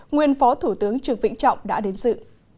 nguyên phó thủ tướng trường vĩnh trọng đã đến dự